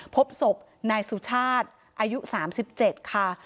พบศพนายสุชาติอายุ๓๗ค่ะ